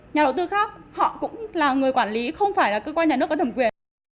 nhà đầu tư khác họ cũng là người quản lý không phải là cơ quan nhà nước có thẩm quyền